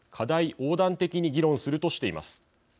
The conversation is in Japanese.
横断的に議論するとしています。